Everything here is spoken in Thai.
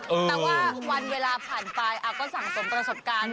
แต่ว่าวันเวลาผ่านไปก็สั่งสมประสบการณ์